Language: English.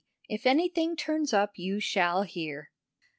If anything turns up you shall hear."